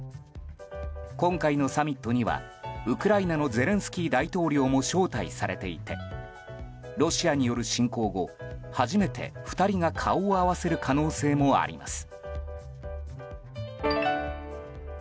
今回のサミットにはウクライナのゼレンスキー大統領も招待されていてロシアによる侵攻後初めて２人が顔を合わせる可能性もあります。